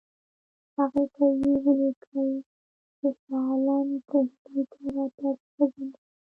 هغې ته یې ولیکل چې شاه عالم ډهلي ته راتګ وځنډوي.